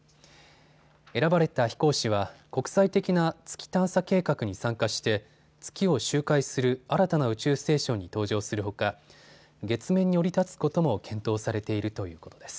選ばれた飛行士は国際的な月探査計画に参加して月を周回する新たな宇宙ステーションに搭乗するほか月面に降り立つことも検討されているということです。